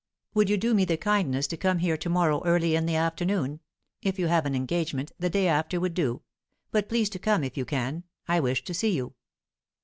"Would you do me the kindness to come here to morrow early in the afternoon? If you have an engagement, the day after would do. But please to come, if you can; I wish to see you."